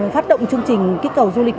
phát động chương trình kích cầu du lịch